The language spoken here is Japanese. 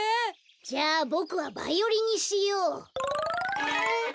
じゃあボクはバイオリンにしよう。